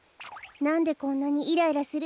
なんでこんなにイライラするのかしら。